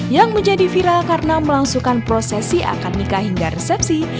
yang menjadi viral karena melangsungkan prosesi akad nikah hingga resepsi